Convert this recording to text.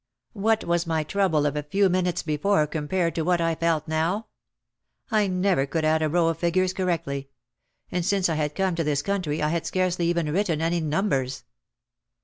What was my trouble of a few minutes before compared to what I felt now? I never could add a row of figures correctly. And since I had come to this country I had scarcely even written any numbers.